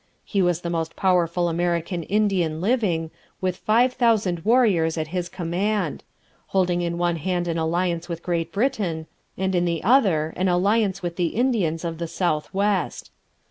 He was the most powerful American Indian living, with five thousand warriors at his command; holding in one hand an alliance with Great Britain, and in the other an alliance with the Indians of the south west.